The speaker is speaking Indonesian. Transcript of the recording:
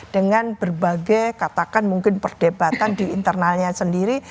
dengan berbagai katakan mungkin perdebatan di internalnya sendiri